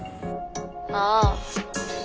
ああ。